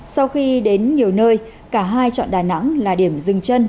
sau khi đến nhiều nơi cả hai chọn đà nẵng là điểm dừng chân